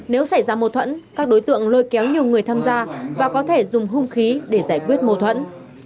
nếu xảy ra mâu thuẫn các đối tượng lôi kéo nhiều người tham gia và có thể dùng hung khí để giải quyết mâu thuẫn